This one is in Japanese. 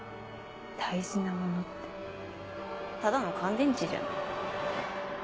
「大事な物」ってただの乾電池じゃん。